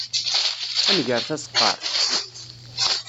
Ad nger taseqqart?